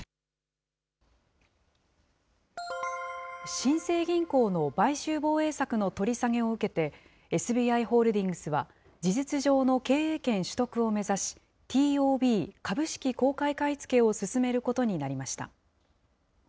新生銀行の買収防衛策の取り下げを受けて、ＳＢＩホールディングスは、事実上の経営権取得を目指し、ＴＯＢ・株式公開買い付けを進めることになりました。